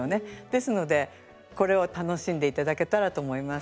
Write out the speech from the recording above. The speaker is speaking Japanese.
ですのでこれを楽しんで頂けたらと思います。